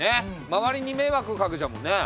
周りに迷惑かけちゃうもんね。